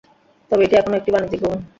তবে এটি এখনও একটি বাণিজ্যিক ভবন।